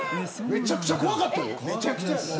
めちゃくちゃ怖かったよ。